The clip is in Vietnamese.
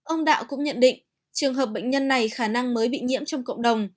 ông đạo cũng nhận định trường hợp bệnh nhân này khả năng mới bị nhiễm trong cộng đồng